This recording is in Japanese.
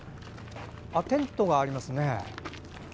テントがありますね。